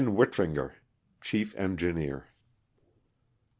WINTRINGER, Chief Engineer.